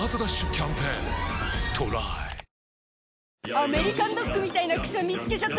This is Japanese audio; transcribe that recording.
「アメリカンドッグみたいな草見つけちゃった」